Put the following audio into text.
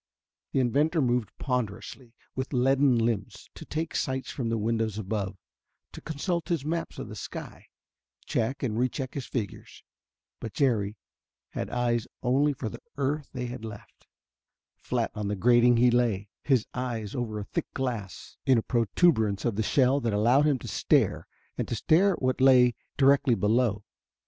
The inventor moved ponderously, with leaden limbs, to take sights from the windows above, to consult his maps of the sky, check and re check his figures. But Jerry had eyes only for the earth they had left. Flat on the grating he lay, his eyes over a thick glass in a proturbance of the shell that allowed him to stare and stare at what lay directly below.